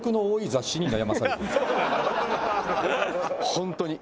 本当に。